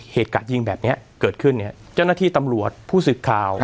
เหตุการณ์ยิงแบบนี้เกิดขึ้นเนี่ยเจ้าหน้าที่ตำรวจผู้สึกข่าว